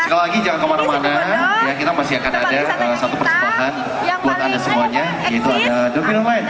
sekali lagi jangan kemana mana ya kita masih akan ada satu persembahan buat anda semuanya yaitu ada the film lain